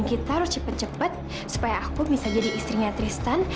kita harus cepat cepat supaya aku bisa jadi istrinya tristan